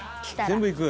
「全部行く？」